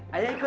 ya ayah ikut